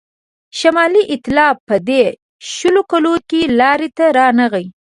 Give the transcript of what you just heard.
شمالي ایتلاف په دې شلو کالو کې لاري ته رانغی.